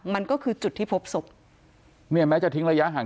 มันก็คือจุดที่พบศพเนี่ยแม้จะทิ้งระยะห่าง